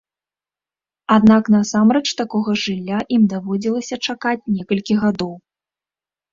Аднак насамрэч такога жылля ім даводзілася чакаць некалькі гадоў.